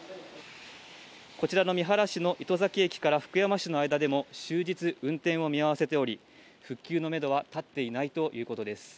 こちらの三原市の糸崎駅から福山市の間でも、終日運転を見合わせており、復旧のメドは立っていないということです。